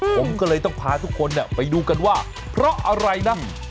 ผมก็เลยจะพาทุกคนภายใจไปดูกันว่าเพราะอะไรนะ